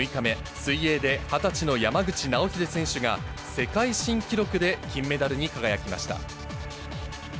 水泳で２０歳の山口尚秀選手が世界新記録で金メダルに輝きました。